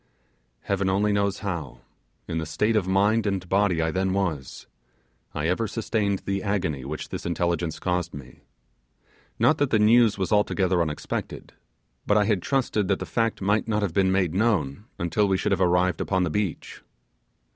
Heaven only knows how, in the state of mind and body I then was, I ever sustained the agony which this intelligence caused me; not that the news was altogether unexpected; but I had trusted that the fact might not have been made known until we should have arrived upon the beach.